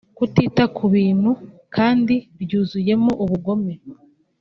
kutita ku bintu kandi ryuzuyemo ubugome